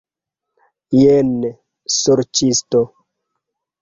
Jen, sorĉisto!